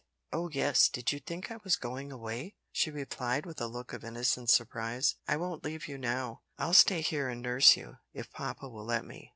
"Oh yes. Did you think I was going away?" she replied, with a look of innocent surprise. "I won't leave you now. I'll stay here and nurse you, if papa will let me.